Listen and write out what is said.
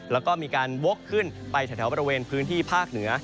แล้วก็มีการวกขึ้นไปแถวบริเวณพื้นที่ภาคเหนือ